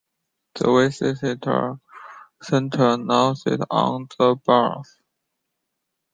The visitor center now sits on the bluff.